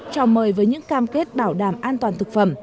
trò mời với những cam kết bảo đảm an toàn thực phẩm